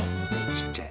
ちっちゃい。